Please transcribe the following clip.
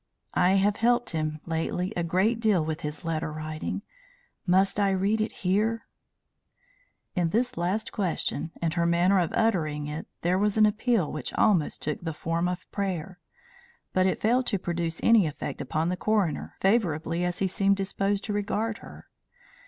I have helped him lately a great deal with his letter writing. Must I read it here?" In this last question and her manner of uttering it there was an appeal which almost took the form of prayer. But it failed to produce any effect upon the coroner, favourably as he seemed disposed to regard her.